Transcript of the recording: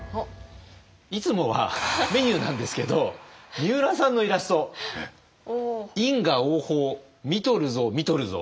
いつもはメニューなんですけどみうらさんのイラスト「因果応報っ！！見とるぞ見とるぞ」。